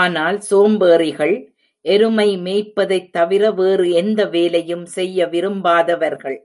ஆனால் சோம்பேறிகள், எருமை மேய்ப்பதைத் தவிர, வேறு எந்த வேலையும் செய்ய விரும்பாதவர்கள்.